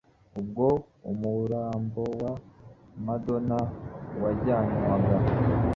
Ubwo umurambo wa Maradona wajyanwaga